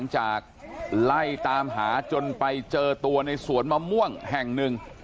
จากไล่ตามหาจนไปเจอตัวในสวนมะม่วงแห่งหนึ่ง